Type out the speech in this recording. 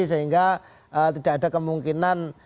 sehingga tidak ada kemungkinan